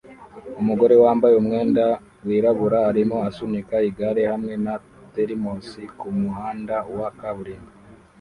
Umugore wambaye umwenda wirabura arimo asunika igare hamwe na thermos kumuhanda wa kaburimbo